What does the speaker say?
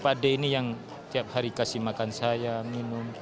ada ini yang tiap hari kasih makan saya minum